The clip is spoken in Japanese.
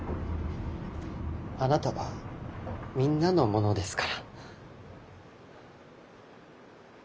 あなたはみんなのものですから。